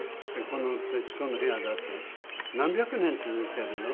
この『徹子の部屋』だって何百年続いてるの？